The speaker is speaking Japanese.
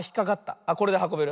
あっこれではこべる。